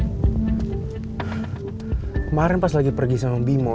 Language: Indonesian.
kemarin pas lagi pergi sama bimo